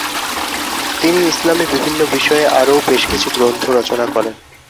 তিনি ইসলামি বিভিন্ন বিষয়ে আরও বেশকিছু গ্রন্থ রচনা করেন।